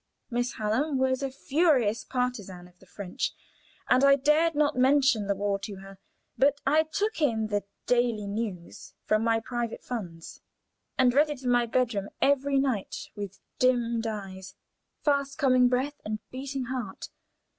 Miss Hallam was a furious partisan of the French, and I dared not mention the war to her, but I took in the "Daily News" from my private funds, and read it in my bedroom every night with dimmed eyes, fast coming breath, and beating heart.